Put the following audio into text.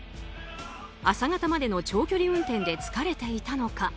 朝方までの長距離運転で疲れていたのか。